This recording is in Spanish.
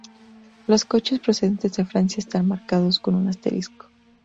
Los coches procedentes de Francia están marcados con un asterisco.